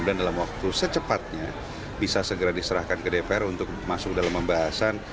dalam waktu secepatnya bisa segera diserahkan ke dpr untuk masuk dalam pembahasan